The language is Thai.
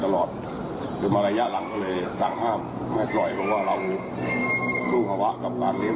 ตลอดเป็นมารยะหลังก็เลยสั่งห้ามไม่ปล่อยเพราะว่าเราสู่ภาวะกำลังเลี้ยง